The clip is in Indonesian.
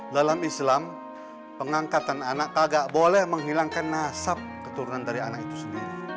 dalam islam pengangkatan anak agak boleh menghilangkan nasab keturunan dari anak itu sendiri